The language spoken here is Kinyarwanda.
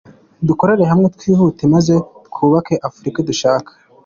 Dukorere hamwe, twihute maze twubake Afurika dushaka.